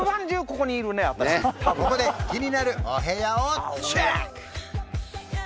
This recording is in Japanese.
ここで気になるお部屋をチェック！